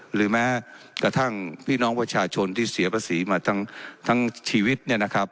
หรือแม้กระทั่งพี่น้องประชาชนที่เสียภาษีมาทั้งชีวิตเนี่ยนะครับ